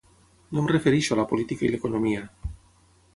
No em refereixo a la política i l’economia.